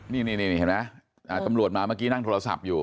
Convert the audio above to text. นี่เห็นไหมตำรวจมาเมื่อกี้นั่งโทรศัพท์อยู่